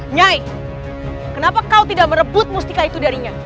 nyai kenapa kau tidak merebut mustika itu darinya